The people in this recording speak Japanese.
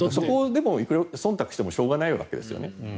そこをそんたくしてもしょうがないわけですよね。